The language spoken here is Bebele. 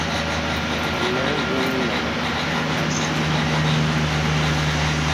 Nā āngənə́ naŋhàŋ así.